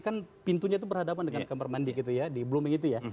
kan pintunya itu berhadapan dengan kamar mandi gitu ya di blooming itu ya